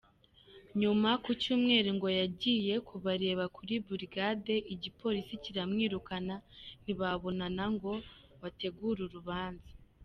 Nyuma ku Cyumweru ngo yagiye kubareba kuri burigade igipolisi kiramwirukana ntibabonana ngo bategure urubanza.